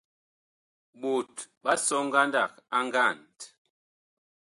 Ɓot ɓa sɔ ngandag a ngand.